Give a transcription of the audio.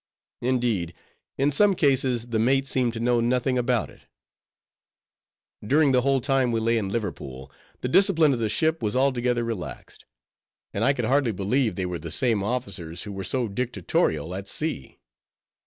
Indeed, in some cases, the mate seemed to know nothing about it. During the whole time we lay in Liverpool, the discipline of the ship was altogether relaxed; and I could hardly believe they were the same officers who were so dictatorial at sea.